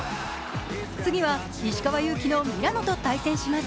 次は、石川祐希のミラノと対戦します。